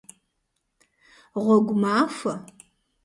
Гъуэгу махуэ!